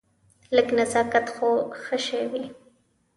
لږ نزاکت خو ښه شی وي.